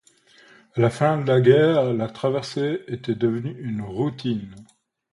À la fin de la guerre, la traversée était devenue une routine.